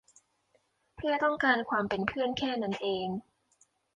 เพื่อต้องการความเป็นเพื่อนแค่นั้นเอง